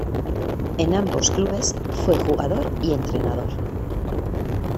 En ambos clubes fue jugador y entrenador.